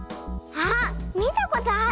あっみたことある！